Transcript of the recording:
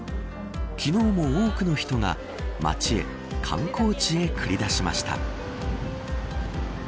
昨日も多くの人が街へ、観光地へ繰り出しました。